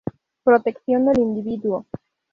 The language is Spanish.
Protección del individuo.